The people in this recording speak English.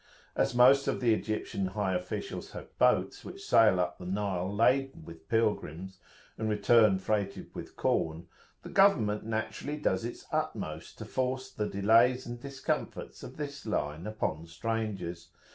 [FN#8] As most of the Egyptian high officials have boats, which sail up the Nile laden with pilgrims and return freighted with corn, the government naturally does its utmost to force the delays and discomforts of this line upon strangers.